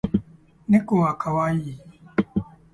猫は可愛い